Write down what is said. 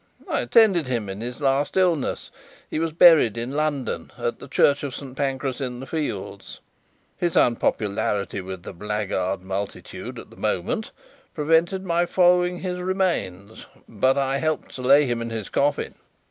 I attended him in his last illness. He was buried in London, at the church of Saint Pancras in the Fields. His unpopularity with the blackguard multitude at the moment prevented my following his remains, but I helped to lay him in his coffin."